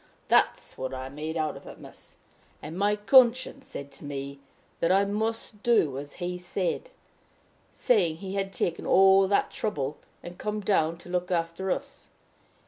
That's what I made out of it, miss. And my conscience said to me, that I must do as he said, seeing he had taken all that trouble, and come down to look after us.